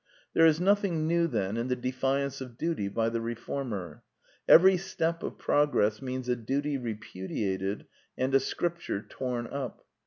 There is nothing new, then, in the defiance of duty by the reformer: every step of progress means a duty repudiated, and a scripture torn up.